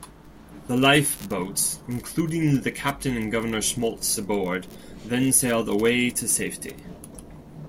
The lifeboats, including the captain and Governor Schmaltz aboard, then sailed away to safety.